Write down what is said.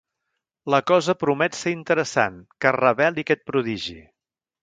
La cosa promet ser interessant! Que es reveli aquest prodigi!